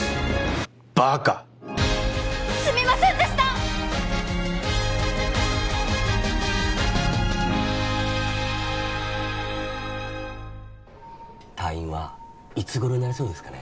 バカすみませんでした退院はいつ頃になりそうですかね？